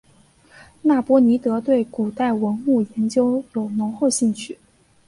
那波尼德对古代文物研究有浓厚兴趣。